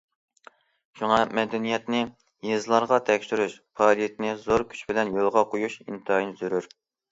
شۇڭا مەدەنىيەتنى يېزىلارغا يەتكۈزۈش پائالىيىتىنى زور كۈچ بىلەن يولغا قويۇش ئىنتايىن زۆرۈر.